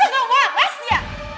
kamu udah gak wabah sia